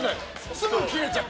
すぐ切れちゃう。